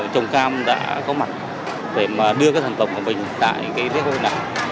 trồng cam đã có mặt để mà đưa cái sản phẩm của mình tại cái lễ hội này